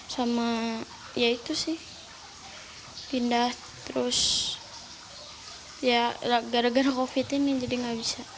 sama ya itu sih pindah terus ya gara gara covid ini jadi nggak bisa